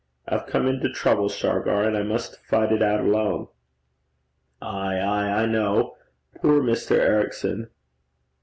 I've come into trouble, Shargar, and I must fight it out alone.' 'Ay, ay; I ken. Puir Mr. Ericson!'